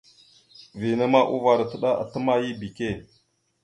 Vina ma uvar atəɗálele atəmáya ebeke.